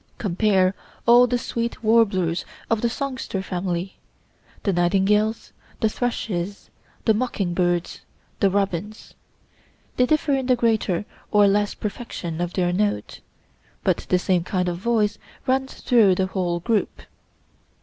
Compare all the sweet warblers of the songster family the nightingales, the thrushes, the mocking birds, the robins; they differ in the greater or less perfection of their note, but the same kind of voice runs through the whole group.